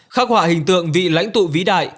khắc họa hình tượng vị lãnh tụ vĩ đại